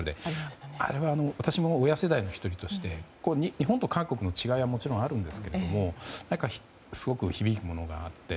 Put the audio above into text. あれは、私も親世代の１人として日本と韓国の違いはもちろんあるんですけどすごく響くものがあって。